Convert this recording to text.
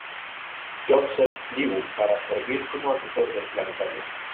Joseph Liu para servir como Asesor del Planetario.